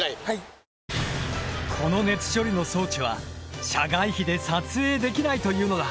この熱処理の装置は社外秘で撮影できないというのだ。